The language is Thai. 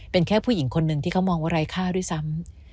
เป็นแค่ผู้หญิงคนหนึ่งที่เขามองว่าไร้ค่าด้วยซ้ำ